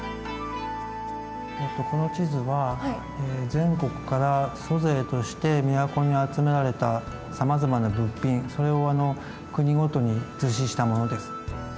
この地図は全国から租税として都に集められたさまざまな物品それを国ごとに図示したものです。